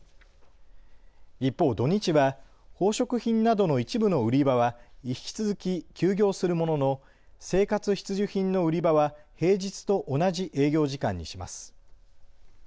一方、土日は宝飾品などの一部の売り場は引き続き休業するものの生活必需品の売り場は平日と同じ営業時間にします。